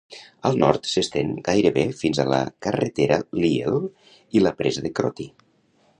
Al nord s'estén gairebé fins a la carretera Lyell i la presa de Crotty.